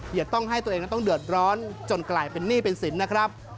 อย่าต้องให้ตัวเองนั้นต้องเดือดร้อนจนกลายเป็นหนี้เป็นสินนะครับ